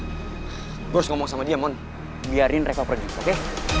gue harus ngomong sama dia mon biarin reva pergi oke